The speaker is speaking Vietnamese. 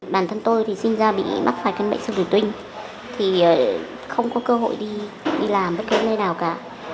bản thân tôi sinh ra bị mắc cân bệnh xương thủy tinh không có cơ hội đi làm bất kỳ nơi nào cả